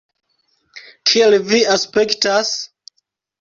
Kiel vi aspektas?